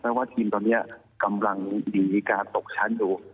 ไม่ว่าทีมตอนนี้กำลังหยินวิธีการตกชั้นอยู่